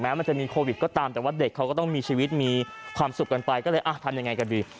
มันจะมีโควิดก็ตามแต่ว่าเด็กเขาก็ต้องมีชีวิตมีความสุขกันไปก็เลยทำยังไงกันดี